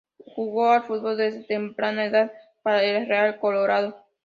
Jugó al fútbol desde temprana edad para el Real Colorado.